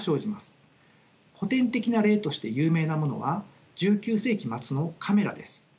古典的な例として有名なものは１９世紀末のカメラです。